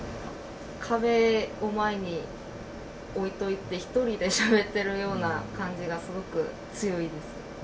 壁を前に置いといて、１人でしゃべってるような感じがすごく強いです。